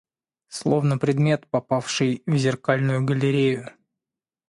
словно предмет, попавший в зеркальную галерею